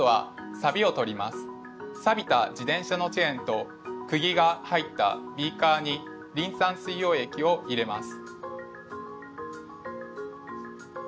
さびた自転車のチェーンとくぎが入ったビーカーにリン酸水溶液を入れます。